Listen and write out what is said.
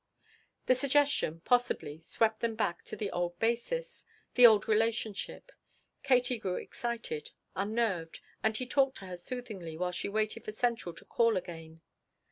The suggestion possibility swept them back to the old basis, the old relationship. Katie grew excited, unnerved, and he talked to her soothingly while she waited for central to call again.